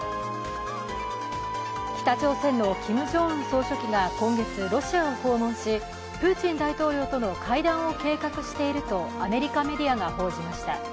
北朝鮮のキム・ジョンウン総書記が今月、ロシアを訪問し、プーチン大統領との会談を計画しているとアメリカメディアが報じました。